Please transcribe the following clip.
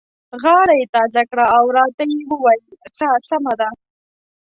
غاړه یې تازه کړه او راته یې وویل: ښه سمه ده.